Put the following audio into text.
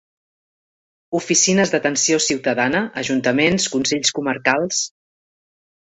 Oficines d'atenció ciutadana, ajuntaments, consells comarcals...